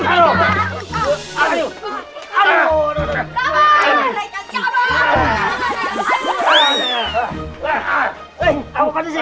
tuh gila saya kena diberries